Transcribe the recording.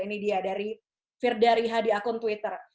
ini dia dari firdariha di akun twitter